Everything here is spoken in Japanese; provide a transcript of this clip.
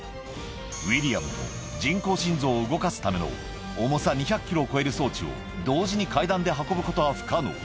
ウィリアムと人工心臓を動かすための重さ２００キロを超える装置を同時に階段で運ぶことは不可能。